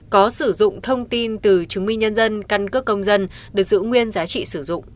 có sử dụng thông tin từ chứng minh nhân dân căn cước công dân được giữ nguyên giá trị sử dụng